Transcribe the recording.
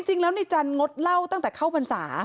จริงแล้วในจันทร์งดเหล้าตั้งแต่เข้าพรรษา